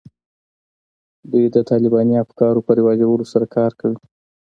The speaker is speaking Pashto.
دوی د طالباني افکارو په رواجولو سره کار کوي